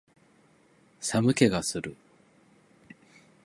寒気がする